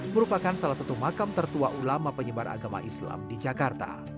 merupakan salah satu makam tertua ulama penyebar agama islam di jakarta